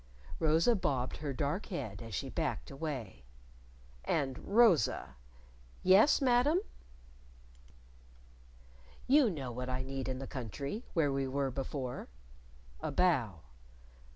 Rosa bobbed her dark head as she backed away. "And, Rosa " "Yes, Madam?" "You know what I need in the country where we were before." A bow.